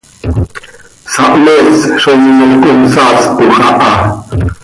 Sahmees zo minol consaaspoj aha.